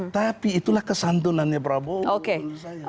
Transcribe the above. tapi itulah kesantunannya prabowo menurut saya